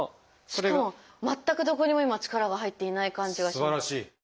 しかも全くどこにも今力が入っていない感じが。